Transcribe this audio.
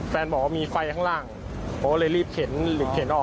บอกว่ามีไฟข้างล่างผมก็เลยรีบเข็นหรือเข็นออก